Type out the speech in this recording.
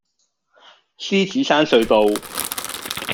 獅子山隧道